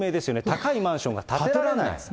高いマンションが建てられない。